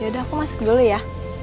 yaudah aku masuk dulu ya